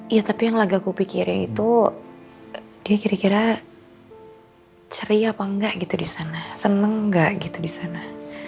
ya tapi yang lagaku pikirin itu dia kira kira ceria apa enggak gitu di sana seneng enggak gitu di sana